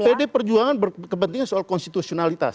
soal soal soal pdi perjuangan memang sejak awal berkepentingan ya